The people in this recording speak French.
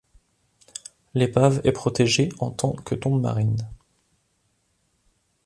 L'épave est protégée en tant que tombe marine.